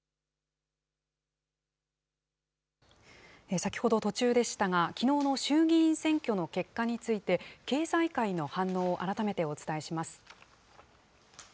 先ほど、途中でしたが、きのうの衆議院選挙の結果について、経済界の反応を改めてお伝えします。